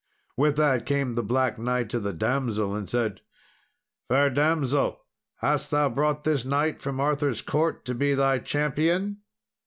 With that came the Black Knight to the damsel, and said, "Fair damsel, hast thou brought this knight from Arthur's court to be thy champion?"